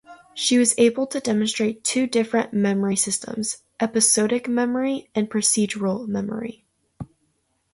She was able to demonstrate two different memory systems- episodic memory and procedural memory.